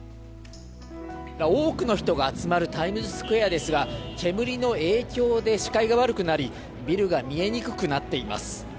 多くの人が集まるタイムズスクエアですが煙の影響で視界が悪くなりビルが見えにくくなっています。